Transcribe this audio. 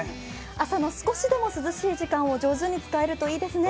朝の少しでも涼しい時間を少しでも上手に使えるといいですね。